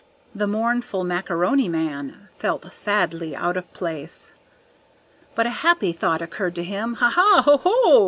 The mournful Macaroni Man felt sadly out of place. But a happy thought occurred to him, "Ha, ha, ho, ho!"